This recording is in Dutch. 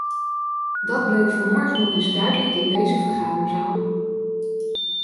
Dat bleek vanmorgen nog eens duidelijk in deze vergaderzaal.